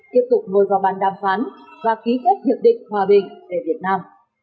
tiếp tục ngồi vào bàn đàm phán và ký kết hiệp định hòa bình tại việt nam